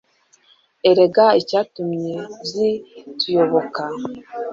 erega icyatumye zituyoboka